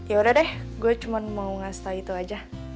ya udah deh gue cuma mau ngasih tau itu aja